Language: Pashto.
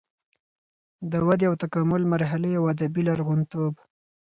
د ودې او تکامل مرحلې او ادبي لرغونتوب